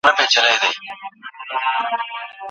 د مېوو خوړل د ژوند رنګ بدلوي.